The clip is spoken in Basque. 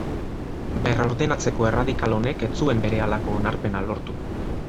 Berrordenatzeko erradikal honek ez zuen berehalako onarpena lortu.